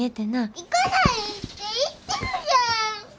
行かないって言ってるじゃん！